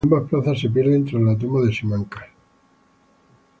Ambas plazas se pierden tras la toma de Simancas.